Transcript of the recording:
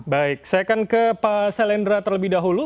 baik saya akan ke pak selendra terlebih dahulu